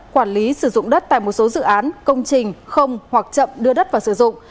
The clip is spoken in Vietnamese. quản lý sử dụng đất tại một số dự án công trình không hoặc chậm đưa đất vào sử dụng